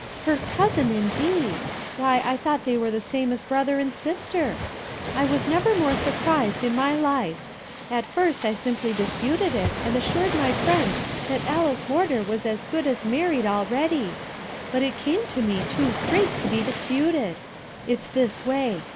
Her cousin, indeed I why I thought they were the same as brother and sister. I was never more surprised in my life. At first I simply disputed it and assured my friends that Alice Warder was as good as married, already. But it came to me too straight to be disputed. It's this way.